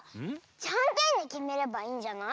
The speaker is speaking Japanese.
じゃんけんできめればいいんじゃない？